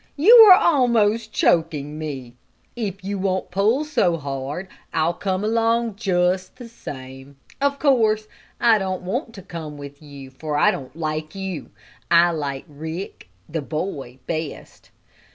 You are almost choking me! If you won't pull so hard I'll come along just the same. Of course I don't want to come with you, for I don't like you. I like Rick, the boy, best.